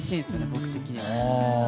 僕的には。